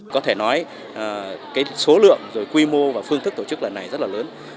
có thể nói cái số lượng quy mô và phương thức tổ chức lần này rất là lớn